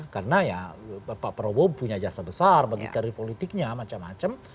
karena ya pak prabowo punya jasa besar bagi karir politiknya macam macam